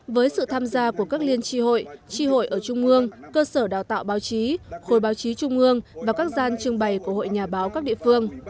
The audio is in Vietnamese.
với sự tham gia của các liên tri hội tri hội ở trung ương cơ sở đào tạo báo chí khối báo chí trung ương và các gian trưng bày của hội nhà báo các địa phương